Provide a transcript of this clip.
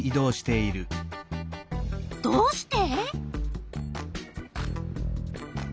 どうして？